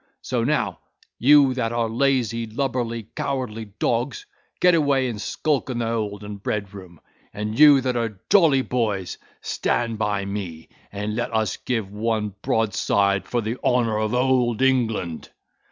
So now, you that are lazy, lubberly, cowardly dogs, get away and skulk in the hold and bread room; and you, that are jolly boys, stand by me, and let us give one broadside for the honour of Old England."